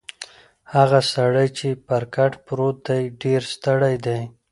هغه سړی چې پر کټ پروت دی ډېر ستړی دی.